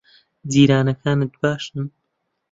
جیرانەکانت باشن؟